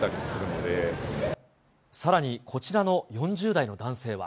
さらにこちらの４０代の男性は。